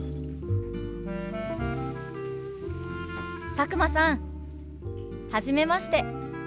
佐久間さんはじめまして。